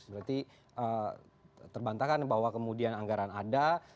berarti terbantahkan bahwa kemudian anggaran ada